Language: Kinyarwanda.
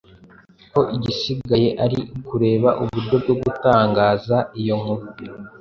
ko igisigaye ari ukureba uburyo bwo gutangaza iyo nkuru